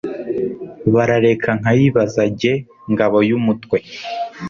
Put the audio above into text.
Barareka nkayibaza jye ngabo y'umutwe.